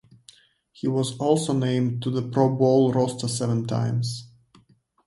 He was also named to the Pro Bowl roster seven times.